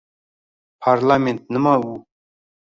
Parlament – nima u?